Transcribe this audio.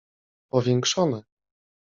Powiększone.